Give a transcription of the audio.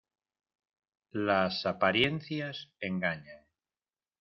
Las apariencias engañan.